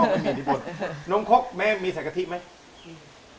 โอ๊ยแม่มีใส่กะทิไหม